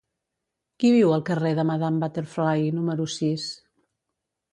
Qui viu al carrer de Madame Butterfly número sis?